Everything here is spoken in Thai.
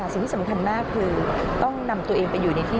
สิ่งที่สำคัญมากคือต้องนำตัวเองไปอยู่ในที่